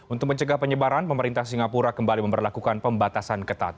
untuk mencegah penyebaran pemerintah singapura kembali memperlakukan pembatasan ketat